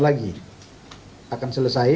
lagi akan selesai